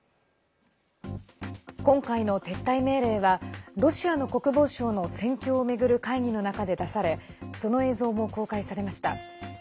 今回の撤退命令はロシアの国防省の戦況を巡る会議の中で出されその映像も公開されました。